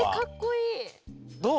どう？